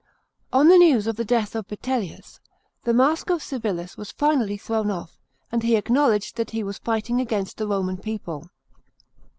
§ 7. On the news of the death of Vitellius, the mask of Civilis was finally thrown off, and he acknowledged that he was fighting against the Roman people.